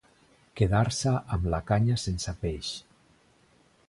Quedar-se amb la canya sense peix.